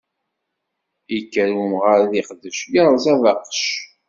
Ikker umɣar ad iqdec, iṛẓa abaqec.